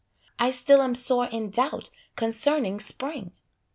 I still am sore in doubt concerning Spring.